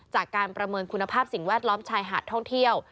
การประเมินคุณภาพสิ่งแวดล้อมชายหาดท่องเที่ยว